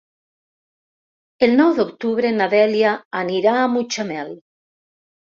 El nou d'octubre na Dèlia anirà a Mutxamel.